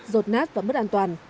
rột nát và mất an toàn